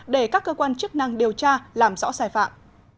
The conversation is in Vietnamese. để các cơ quan chức năng điều tra làm rõ sai phạm